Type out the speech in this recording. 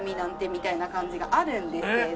みたいな感じがあるんですけれど。